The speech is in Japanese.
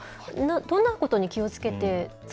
どんなことに気をつ